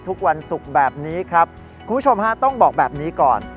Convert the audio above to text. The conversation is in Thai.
ทุกวันศุกร์แบบนี้ครับคุณผู้ชมฮะต้องบอกแบบนี้ก่อน